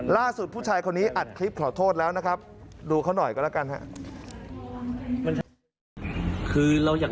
ล่าสุดผู้ชายคนนี้อัดคลิปขอโทษแล้วนะครับ